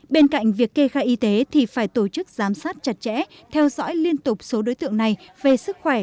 bên cạnh việc kê khai y tế thì phải tổ chức giám sát chặt chẽ theo dõi liên tục số đối tượng này về sức khỏe